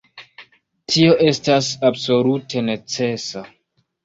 Tio estas absolute necesa!